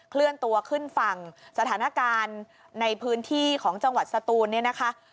เคลื่อนตัวขึ้นฝั่งสถานการณ์ในพื้นที่ของจังหวัดสตูนเนี่ยนะคะ